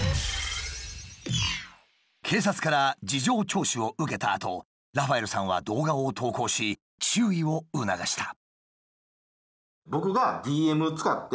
警察から事情聴取を受けたあとラファエルさんは動画を投稿し注意を促した。